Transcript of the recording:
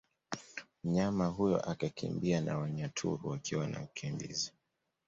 Mnyama huyo akakimbia na Wanyaturu wakiwa wanamkimbiza